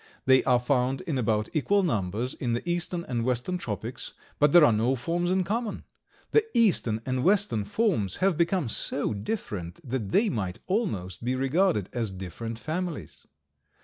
They are found in about equal numbers in the eastern and western tropics, but there are no forms in common. The eastern and western forms have become so different that they might almost be regarded as different families.